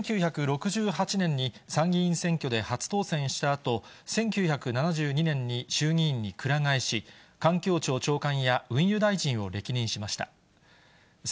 １９６８年に参議院選挙で初当選したあと、１９７２年に衆議院にくら替えし、環境庁長官や運輸大臣を歴任しました。